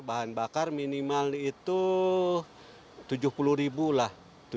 bahan bakar minimal itu rp tujuh puluh lah